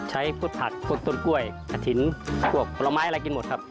ใช้พุทธผัดพุทธตนกล้วยอทินปลวกปลอมไม้อะไรกินหมดครับ